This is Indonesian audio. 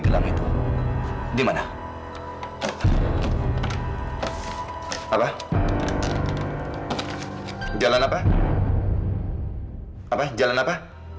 kalau ada apa apa